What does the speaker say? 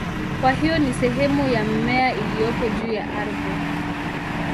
Kwa hiyo ni sehemu ya mmea iliyopo juu ya ardhi.